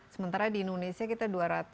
sementara di indonesia kita